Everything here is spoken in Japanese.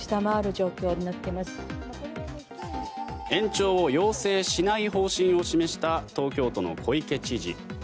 延長を要請しない方針を示した東京都の小池知事。